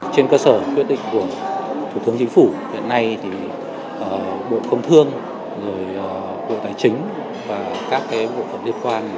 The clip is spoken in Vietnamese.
trên cơ sở quyết định của thủ tướng chính phủ hiện nay thì bộ công thương bộ tài chính và các bộ phận liên quan